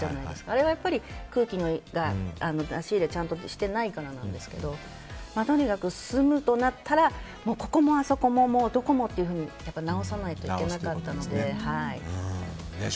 あれは空気の出し入れちゃんとしてないからなんですけどとにかく、住むとなったらここも、あそこも、どこもって直さないといけなかったので。